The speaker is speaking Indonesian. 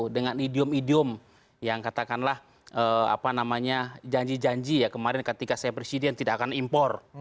dengan idiom idiom yang katakanlah apa namanya janji janji ya kemarin ketika saya presiden tidak akan impor